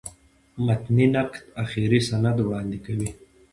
متني نقد آخري سند وړاندي کوي.